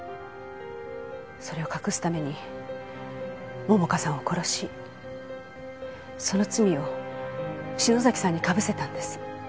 それを隠すために桃花さんを殺しその罪を篠崎さんに被せたんです。